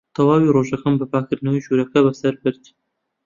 تەواوی ڕۆژەکەم بە پاککردنەوەی ژوورەکە بەسەر برد.